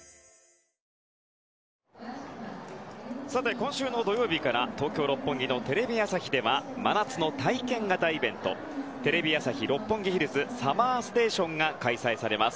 今週の土曜日から東京・六本木のテレビ朝日では真夏の体験型イベント「テレビ朝日・六本木ヒルズＳＵＭＭＥＲＳＴＡＴＩＯＮ」が開催されます。